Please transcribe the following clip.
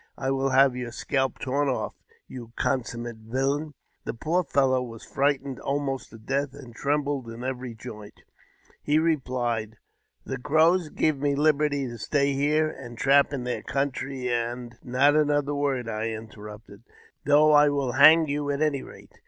I will have your scalp torn off, you consummate villain !" The poor fellow was frightened almost to death, and trembled in every joint. He replied, " The Crows gave me liberty to stay here and trap in their country, and —" "Not another word," interrupted I; " though I will hang you, at any rate."